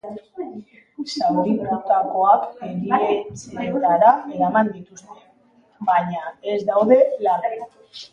Zauritutakoak erietxeetara eraman dituzte, baina ez daude larri.